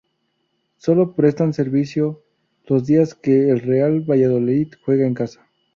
Solo prestan servicio los días que el Real Valladolid juega en casa.